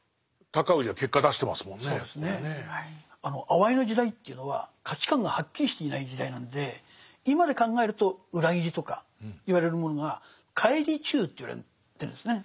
あわいの時代というのは価値観がはっきりしていない時代なんで今で考えると裏切りとか言われるものが「返り忠」と言われてるんですね。